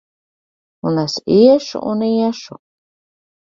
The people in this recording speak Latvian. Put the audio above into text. Un es iešu un iešu!